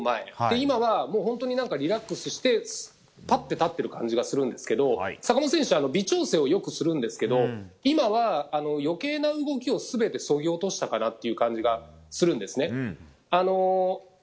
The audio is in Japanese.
今は本当にリラックスしてパって立っている感じがするんですけども坂本選手は微調整をよくするんですけど今は、余計な動きを全てそぎ落としたかなという感じがするんですね。